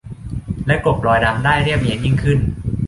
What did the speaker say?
และกลบรอยดำได้เรียบเนียนยิ่งขึ้น